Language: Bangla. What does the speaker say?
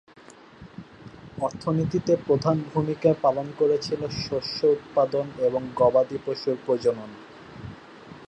অর্থনীতিতে প্রধান ভূমিকা পালন করেছিল শস্য উৎপাদন এবং গবাদি পশুর প্রজনন।